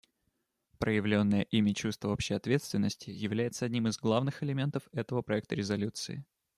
Проявленное ими чувство общей ответственности является одним из главных элементов этого проекта резолюции.